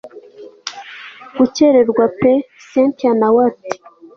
gukererwa pe cyntia nawe ati